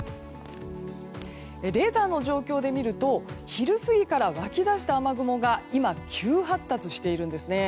レーダーの状況で見ると昼過ぎから湧き出した雨雲が今、急発達しているんですね。